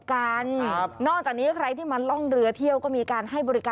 โอ๊ยกุณชนะเนียโมตะมองจ้องนะคะ